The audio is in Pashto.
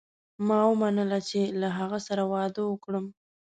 ما ومنله چې له هغه سره واده وکړم.